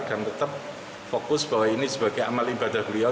dan tetap fokus bahwa ini sebagai amal ibadah beliau